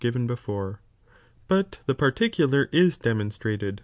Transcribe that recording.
"' given before,^ hut the particular * is demonstrated ' Thnt 1!